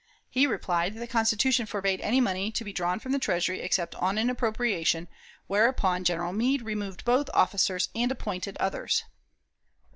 He replied that the Constitution forbade any money to be drawn from the Treasury except on an appropriation, whereupon General Meade removed both officers, and appointed others.